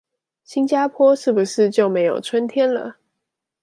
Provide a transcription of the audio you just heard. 新加坡是不是就沒有春天了